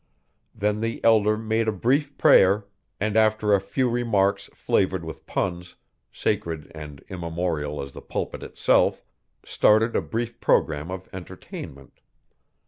Then the elder made a brief prayer, and after a few remarks flavoured with puns, sacred and immemorial as the pulpit itself, started a brief programme of entertainment.